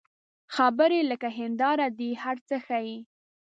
خبرې لکه هنداره دي، هر څه ښيي